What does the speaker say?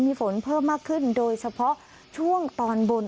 มีฝนเพิ่มมากขึ้นโดยเฉพาะช่วงตอนบน